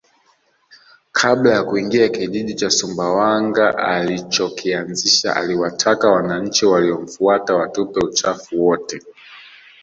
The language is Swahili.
Kabla ya kuingia kijiji cha Sumbawanga alichokianzisha aliwataka wananchi waliomfuata watupe uchafu wote